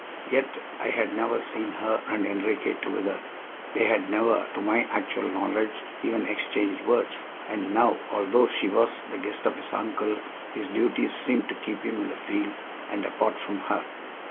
Yet I had never seen her and Enriquez together; they had never, to my actual knowledge, even exchanged words. And now, although she was the guest of his uncle, his duties seemed to keep him in the field, and apart from her.